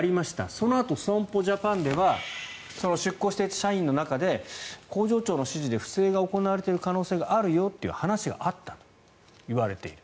そのあと、損保ジャパンでは出向していた社員の中で工場長の指示で不正が行われている可能性があるよという話があったといわれている。